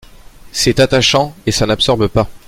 C’est attachant et ça n’absorbe pas.